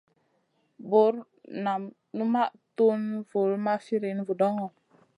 Bur nam numaʼ tun null ma firina vudoŋo.